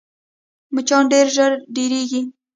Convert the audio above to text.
مچان ډېر ژر ډېرېږي